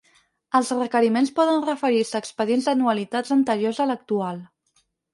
Els requeriments poden referir-se a expedients d'anualitats anteriors a l'actual.